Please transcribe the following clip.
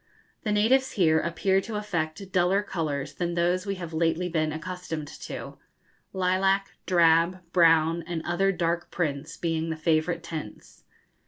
The natives here appear to affect duller colours than those we have lately been accustomed to, lilac, drab, brown, and other dark prints being the favourite tints.